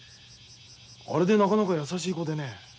あれでなかなか優しい子でね。